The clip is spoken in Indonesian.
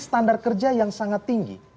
standar kerja yang sangat tinggi